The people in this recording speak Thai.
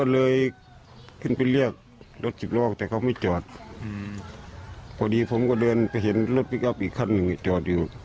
เลยขึ้นไปเรียกรถสิบล้อแต่เขาไม่จอดพอดีผมก็เดินไปเห็นรถพลิกอัพอีกคันหนึ่งจอดอยู่